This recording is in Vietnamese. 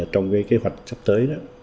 trong kế hoạch sắp tới